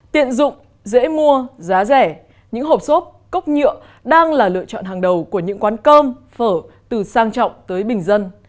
tiện dụng dễ mua giá rẻ những hộp xốp cốc nhựa đang là lựa chọn hàng đầu của những quán cơm phở từ sang trọng tới bình dân